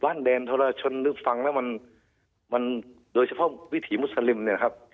บ้านเดนธรรมชนธรรภังแล้วมันโดยเฉพาะวิถีมุสลิมเนี่ยครับ